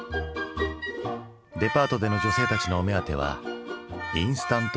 デパートでの女性たちのお目当てはインスタント食品。